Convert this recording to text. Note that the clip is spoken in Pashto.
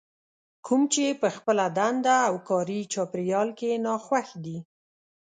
کوم چې په خپله دنده او کاري چاپېريال کې ناخوښ دي.